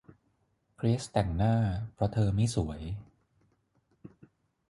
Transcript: เกรซแต่งหน้าเพราะเธอไม่สวย